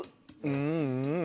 うんうん。